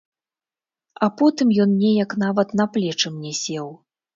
А потым ён неяк нават на плечы мне сеў.